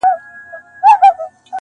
که د خولې مهر په حلوا مات کړي,